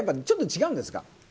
ちょっと違うんですか？